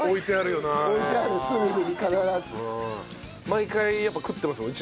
毎回やっぱ食ってますもん。